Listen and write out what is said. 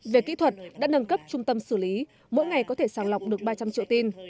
về kỹ thuật đã nâng cấp trung tâm xử lý mỗi ngày có thể sàng lọc được ba trăm linh triệu tin